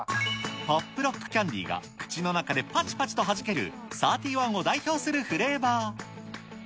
ポップロックキャンディが口の中ではじける、サーティワンを代表するフレーバー。